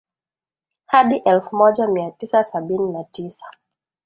hadi elfu moja mia tisa sabini na tisa